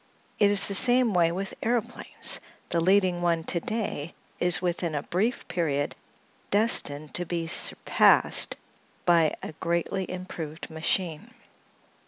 It is the same way with aëroplanes; the leading one to day is within a brief period destined to be surpassed by a greatly improved machine.